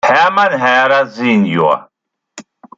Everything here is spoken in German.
Hermann Herder sen.